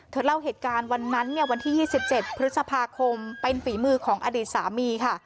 เล่าเหตุการณ์วันนั้นเนี่ยวันที่๒๗พฤษภาคมเป็นฝีมือของอดีตสามีค่ะ